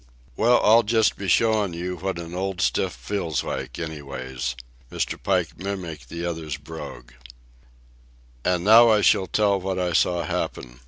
"Well, I'll just be showin' you what an old stiff feels like, anyways." Mr. Pike mimicked the other's brogue. And now I shall tell what I saw happen.